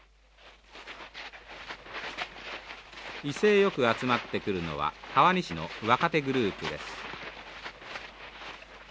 威勢よく集まってくるのは川西の若手グループです。